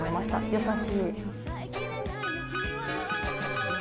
優しい。